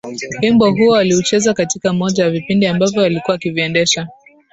Wimbo huo aliucheza katika moja ya vipindi ambavyo alikuwa akiviendesha